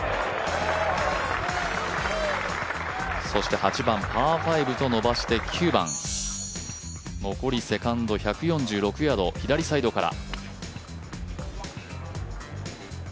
そして８番パー５と伸ばして９番、残りセカンド１４６ヤード、左サイドから。